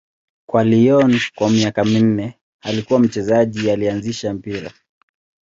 Kwa Lyon kwa miaka minne, alikuwa mchezaji aliyeanzisha mpira.